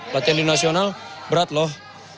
latihan di nasional berat loh